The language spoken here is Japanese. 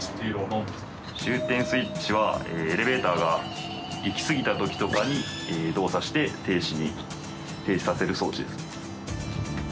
終点スイッチはエレベーターが行きすぎた時とかに動作して停止させる装置です。